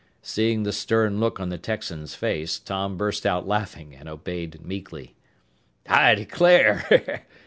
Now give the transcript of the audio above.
Seeing the stern look on the Texan's face, Tom burst out laughing and obeyed meekly. "I declare!"